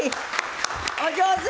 お上手。